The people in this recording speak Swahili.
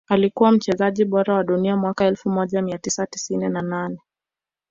Alikuwa mchezaji bora wa dunia mwaka elfu moja mia tisa tisini na nane